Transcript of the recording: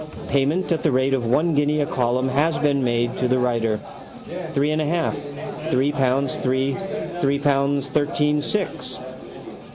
Payment at the rate of one guinea a column has been made to the writer. Three and a half. Three pounds three. Three pounds, thirteen and six.